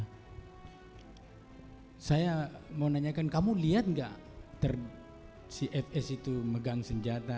hai saya mau nanyakan kamu lihat enggak terdiri si fs itu megang senjata